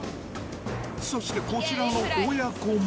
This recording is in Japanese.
そしてこちらの親子も。